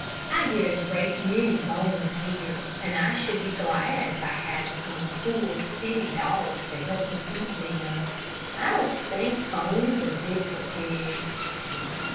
I get a great many bones here, and I should be glad if I had some poor, city dogs to help me eat them. I don't think bones are good for pigs.